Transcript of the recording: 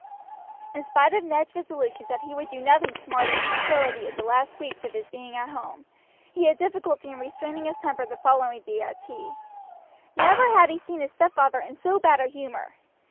In spite of Ned's resolutions that he would do nothing to mar the tranquillity of the last few weeks of his being at home, he had difficulty in restraining his temper the following day at tea. Never had he seen his stepfather in so bad a humor.